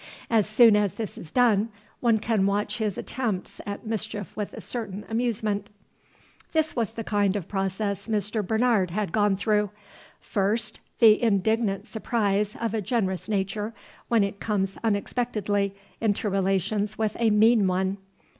As soon as this is done, one can watch his attempts at mischief with a certain amusement. This was the kind of process Mr. Bernard had gone through. First, the indignant surprise of a generous nature, when it comes unexpectedly into relations with a mean one.